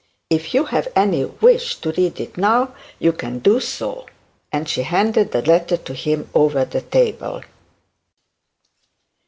If you have any wish to read it now, you can do so,' and she handed the letter to him over the table.